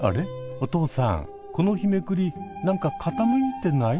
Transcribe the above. お父さんこの日めくり何か傾いてない？